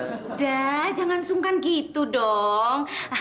udah jangan sungkan gitu dong